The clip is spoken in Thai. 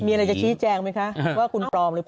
มีอะไรจะชี้แจงไหมคะว่าคุณปลอมหรือเปล่า